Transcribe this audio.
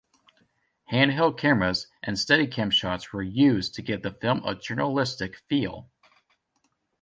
Handheld cameras and Steadicam shots were used to give the film a journalistic feel.